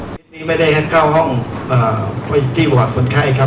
เพิ่มนี้ไม่ได้เข้าห้องที่หวัดคนไข้